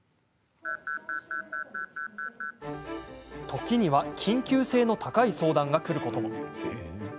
時には緊急性の高い相談がくることも。